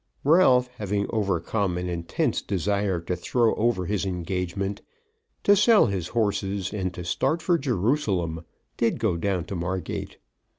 Ralph having overcome an intense desire to throw over his engagement, to sell his horses, and to start for Jerusalem, did go down to Margate.